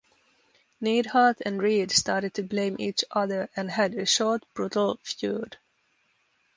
Neidhart and Reed started to blame each other and had a short, brutal feud.